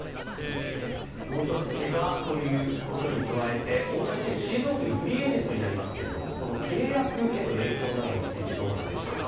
もう一つ、けがということに加えて、大谷選手、シーズンオフにフリーエージェントになりますけど、契約の影響について、どうなるでしょうか。